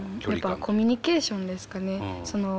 やっぱコミュニケーションですかね。